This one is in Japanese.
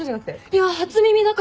いや初耳だから！